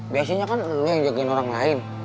biasanya kan lo yang jagain orang lain